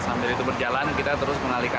sambil itu berjalan kita terus mengalihkan